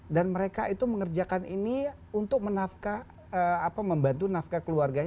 dan mereka itu mengerjakan ini untuk menafkah apa membantu nafkah keluarga